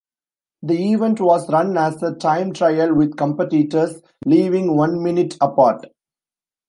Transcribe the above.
The event was run as a time trial with competitors leaving one minute apart.